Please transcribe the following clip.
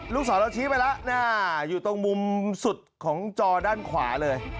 ลูกศรเราชี้ไปล่ะนาอยู่ตรงมุมสุดของจอด้านขวาเลย